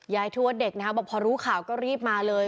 ทวดเด็กนะครับบอกพอรู้ข่าวก็รีบมาเลย